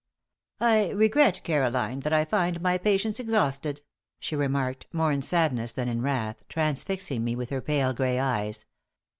"I regret, Caroline, that I find my patience exhausted," she remarked, more in sadness than in wrath, transfixing me with her pale gray eyes.